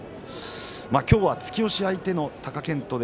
今日は突き押し相手の貴健斗。